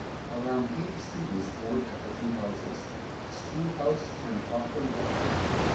Around eighty students board at the two houses; School House and Falkland Lodge.